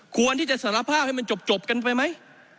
ควรที่จะสารภาพให้มันจบกันไปไหม